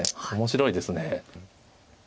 面白いです。